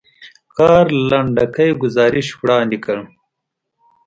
کار لنډکی ګزارش وړاندې کړ.